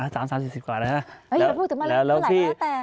อย่าพูดถึงมาเท่าไหร่แล้วแต่